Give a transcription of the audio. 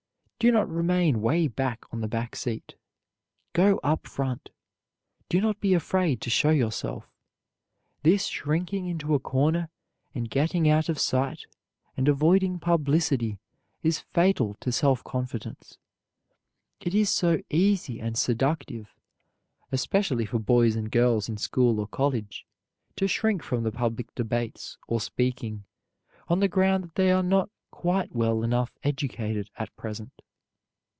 Do not remain way back on the back seat. Go up front. Do not be afraid to show yourself. This shrinking into a corner and getting out of sight and avoiding publicity is fatal to self confidence. It is so easy and seductive, especially for boys and girls in school or college, to shrink from the public debates or speaking, on the ground that they are not quite well enough educated at present.